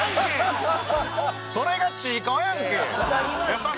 それがちいかわやんけ。